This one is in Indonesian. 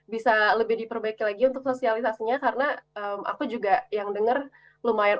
bisa lebih diperbaiki lagi untuk sosialisasinya karena aku juga yang denger lumayan